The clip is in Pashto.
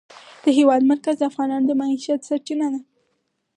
د هېواد مرکز د افغانانو د معیشت سرچینه ده.